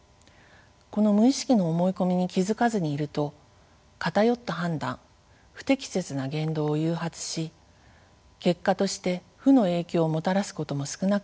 この無意識の思い込みに気付かずにいると偏った判断不適切な言動を誘発し結果として負の影響をもたらすことも少なくありません。